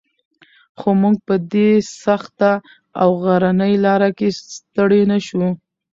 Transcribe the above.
څو موږ په دې سخته او غرنۍ لاره کې ستړي نه شو.